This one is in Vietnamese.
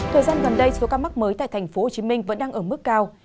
thời gian gần đây số ca mắc mới tại tp hcm vẫn đang ở mức cao